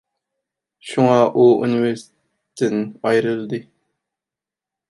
شۇڭا ئۇ ئۇنىۋېرسىتېتتىن ئايرىلدى.